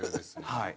はい。